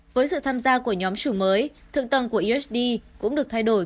với sự tham gia của nhóm chủ mới thượng tầng của usd cũng được thay đổi